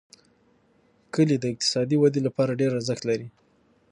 کلي د اقتصادي ودې لپاره ډېر ارزښت لري.